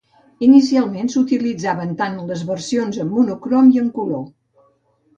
Inicialment, s'utilitzaven tant les versions en monocrom i en color.